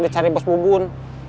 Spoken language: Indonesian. dicari bos bubun